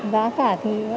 giá cả thì